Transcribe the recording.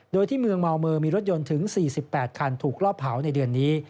โดยที่เมืองเมาเมอร์มีรถยนต์ถึง๔๘คันถูกรอบเผาในเดือนนี้